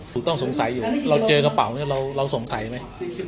ถูกต้องสงสัยอยู่เราเจอกระเป๋าเนี่ยเราสงสัยไหม